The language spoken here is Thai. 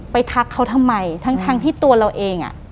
ทักเขาทำไมทั้งที่ตัวเราเองอ่ะ